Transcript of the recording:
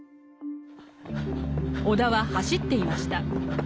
尾田は走っていました。